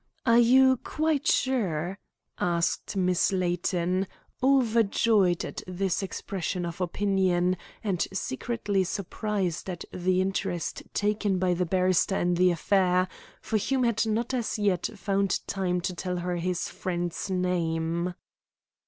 "Are you quite sure?" asked Miss Layton, overjoyed at this expression of opinion, and secretly surprised at the interest taken by the barrister in the affair, for Hume had not as yet found time to tell her his friend's name.